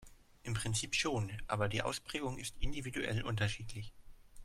Im Prinzip schon, aber die Ausprägung ist individuell unterschiedlich.